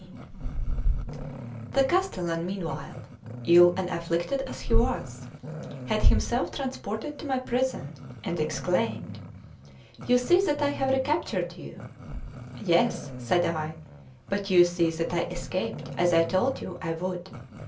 CXVII THE CASTELLAN, meanwhile, ill and afflicted as he was, had himself transported to my prison, and exclaimed: "You see that I have recaptured you!" "Yes," said I, "but you see that I escaped, as I told you I would.